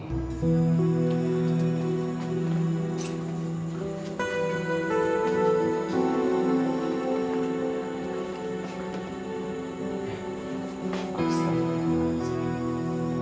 kamu tuan kamil